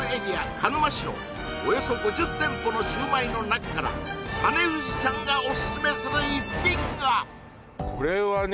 鹿沼市のおよそ５０店舗のシュウマイの中から種藤さんがオススメする一品がこれはね